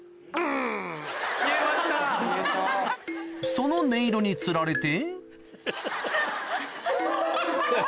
その音色につられて